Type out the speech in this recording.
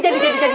jadi jadi jadi